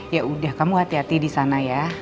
ya udah kamu hati hati disana ya